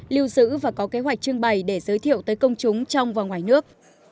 lưu giữ và có kế hoạch trưng bày để giới thiệu tới công chúng trong và ngoài nước